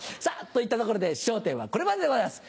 といったところで『笑点』はこれまででございます